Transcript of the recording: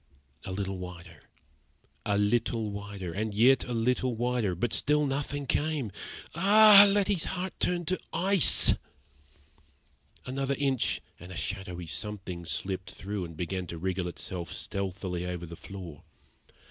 A little wider a little wider and yet a little wider; but still nothing came. Ah! Letty's heart turned to ice. Another inch, and a shadowy something slipped through and began to wriggle itself stealthily over the floor.